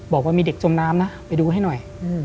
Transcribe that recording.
บอกว่ามีเด็กจมน้ำนะไปดูให้หน่อย